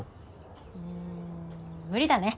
うん無理だね。